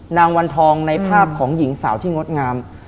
วันทองในภาพของหญิงสาวที่งดงาม